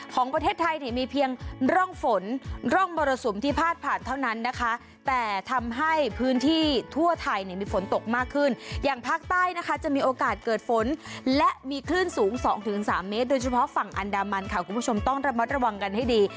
ของประเทศไทยเนี่ยมีเพียงร่องฝนร่องมรสุมที่พาดผ่านเท่านั้นนะคะแต่ทำให้พื้นที่ทั่วไทยเนี่ยมีฝนตกมากขึ้นอย่างภาคใต้นะคะจะมีโอกาสเกิดฝนและมีคลื่นสูง๒๓เมตรโดยเฉพาะฝั่งอันดามันค่ะคุณผู้ชมต้องระมัดระวังกันให้ดี